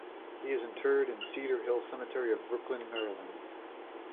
He is interred in Cedar Hill Cemetery of Brooklyn, Maryland.